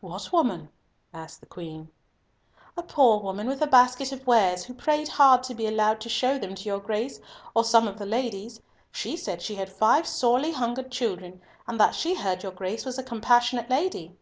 "What woman?" asked the Queen. "A poor woman with a basket of wares, who prayed hard to be allowed to show them to your Grace or some of the ladies. She said she had five sorely hungered children, and that she heard your Grace was a compassionate lady."